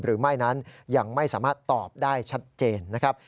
หรือไม่นั้นยังไม่สามารถตอบได้ชัดเจนนะครับ